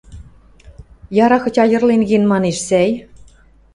Яра хоть айырлен кен, манеш, сӓй?